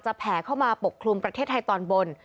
แผ่เข้ามาปกคลุมประเทศไทยตอนบน